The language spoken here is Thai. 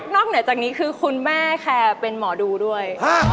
เหนือจากนี้คือคุณแม่ค่ะเป็นหมอดูด้วย